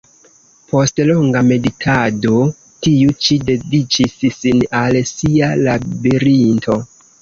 Post longa meditado, tiu ĉi dediĉis sin al sia "Labirinto".